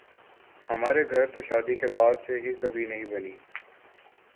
ہمارے گھر تو شادی کے بعد سے ہی کبھی نہیں بنی